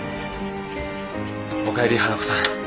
お帰り花子さん。